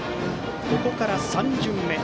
ここから３巡目。